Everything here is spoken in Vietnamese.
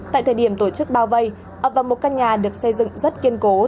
tại thời điểm tổ chức bao vây ập vào một căn nhà được xây dựng rất kiên cố